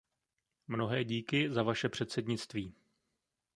Mnohé díky za vaše předsednictví.